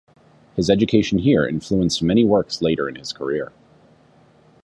His education here influenced many works later in his career.